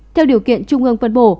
theo điều kiện trung ương phân bổ